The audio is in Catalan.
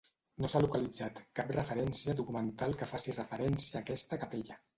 No s'ha localitzat cap referència documental que faci referència a aquesta capella.